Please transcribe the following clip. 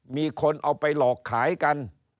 มีคนเอาไปหลอกขายกัน